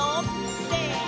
せの！